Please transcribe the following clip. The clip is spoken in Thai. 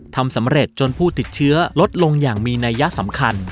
ทำสำเร็จจนผู้ติดเชื้อลดลงอย่างมีนัยยะสำคัญ